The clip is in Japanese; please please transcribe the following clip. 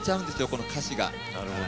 この歌詞が。